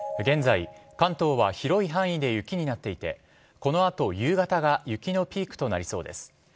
現在、関東は広い範囲で雪になっていてこの後、夕方が雪のピークとなりそうです。